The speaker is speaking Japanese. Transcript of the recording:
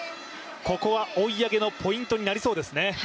追い上げのポイントになりそうです。